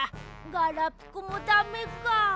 ガラピコもだめか。